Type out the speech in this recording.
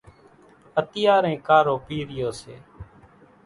اتيارين ڪارو پِيرِيو سي۔